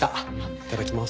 いただきます。